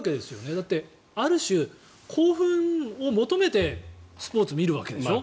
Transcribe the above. だって、ある種、興奮を求めてスポーツを見るわけでしょう。